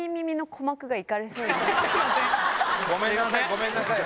ごめんなさい